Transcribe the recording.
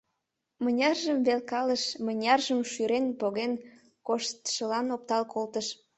Мыняржым велкалыш, мыняржым, шӱрен, поген коштшылан оптал колтыш.